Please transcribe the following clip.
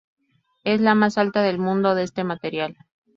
Es la más alta del mundo de este material.